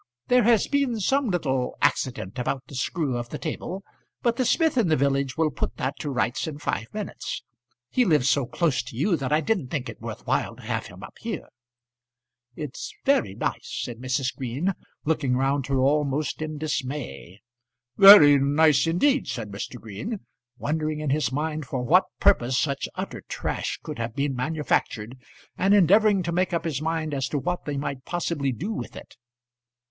There has been some little accident about the screw of the table, but the smith in the village will put that to rights in five minutes. He lives so close to you that I didn't think it worth while to have him up here." "It's very nice," said Mrs. Green, looking round her almost in dismay. "Very nice indeed," said Mr. Green, wondering in his mind for what purpose such utter trash could have been manufactured, and endeavouring to make up his mind as to what they might possibly do with it.